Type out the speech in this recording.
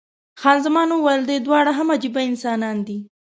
خان زمان وویل، دوی دواړه هم عجبه انسانان دي.